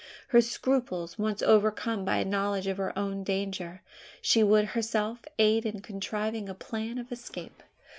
Her scruples once overcome by a knowledge of her own danger, she would herself aid in contriving a plan of escape!